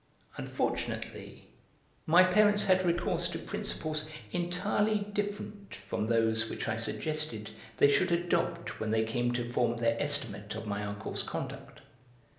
Unfortunately my parents had recourse to principles entirely different from those which I suggested they should adopt when they came to form their estimate of my uncle's conduct.